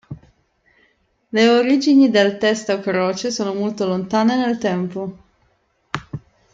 Le origini del testa o croce sono molto lontane nel tempo.